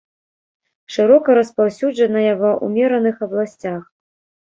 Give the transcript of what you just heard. Шырока распаўсюджаная ва ўмераных абласцях.